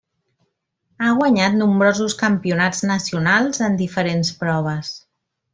Ha guanyat nombrosos campionats nacionals en diferents proves.